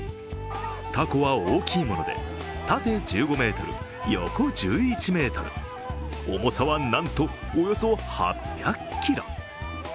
凧は大きいもので縦１５ｍ、横１１ｍ、重さは、なんとおよそ８００ｋｇ。